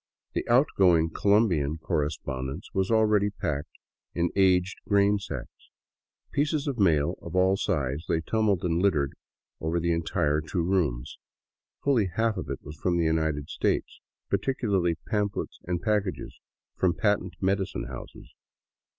The outgoing Colombian correspondence was already packed in aged grainsacks. Pieces of mail of all sizes lay tumbled and littered over the entire two rooms. Fully half of it was from the United States, particularly pamphlets and packages from patent medicine houses.